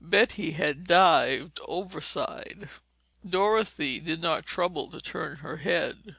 Betty had dived overside. Dorothy did not trouble to turn her head.